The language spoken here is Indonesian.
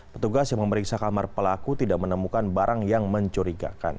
petugas yang memeriksa kamar pelaku tidak menemukan barang yang mencurigakan